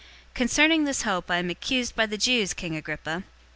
Concerning this hope I am accused by the Jews, King Agrippa!